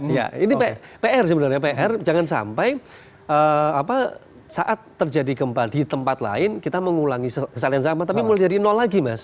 ya ini pr sebenarnya pr jangan sampai saat terjadi gempa di tempat lain kita mengulangi kesalahan yang sama tapi mulai dari nol lagi mas